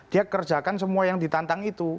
dia kerjakan semua yang ditantang itu